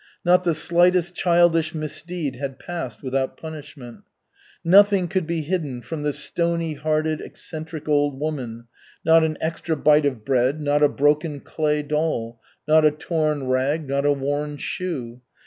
Not the slightest childish misdeed had passed without punishment. Nothing could be hidden from the stony hearted, eccentric old woman, not an extra bite of bread, not a broken clay doll, not a torn rag, not a worn shoe.